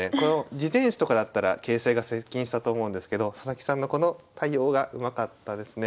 次善手とかだったら形勢が接近したと思うんですけど佐々木さんのこの対応がうまかったですね。